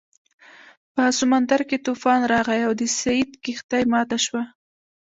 په سمندر کې طوفان راغی او د سید کښتۍ ماته شوه.